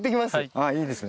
あっいいですね。